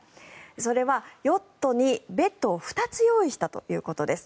それはヨットにベッドを２つ用意したということです。